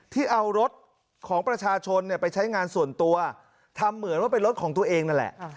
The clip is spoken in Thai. ที่เอารถของประชาชนไปใช้งานส่วนตัวทำเหมือนว่าเป็นรถของตัวเองนั่นแหละ